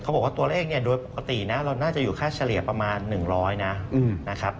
บอกว่าตัวเลขเนี่ยโดยปกตินะเราน่าจะอยู่ค่าเฉลี่ยประมาณ๑๐๐นะครับ